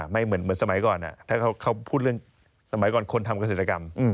ไม่เหมือนสมัยก่อนถ้าเขาพูดเรื่องสมัยก่อนคนทำเกษตรกรรม